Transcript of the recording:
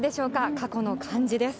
過去の漢字です。